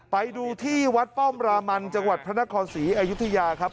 ไปดูที่วัดป้อมรามันจังหวัดพระนครศรีอยุธยาครับ